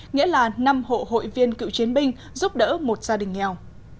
nghĩa là năm hộ hội viên cựu chiến binh giúp đỡ một gia đình nghèo